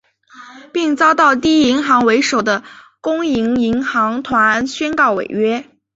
并遭到第一银行为首的公营银行团宣告违约。